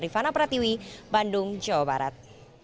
rifana pratiwi bandung jawa barat